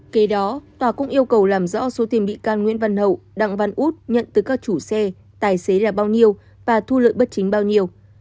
kế đó tòa cũng yêu cầu làm rõ số tiền bị can nguyễn văn hậu đặng văn út nhận từ các chủ xe tài xế là bao nhiêu và thu lợi bất chính bao nhiêu